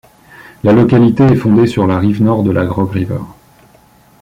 La localité est fondée sur la rive nord de la Rogue River.